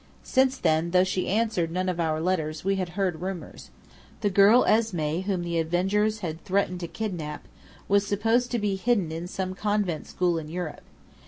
Since then, though she answered none of our letters, we had heard rumours. The girl Esmé, whom the avengers had threatened to kidnap, was supposed to be hidden in some convent school in Europe.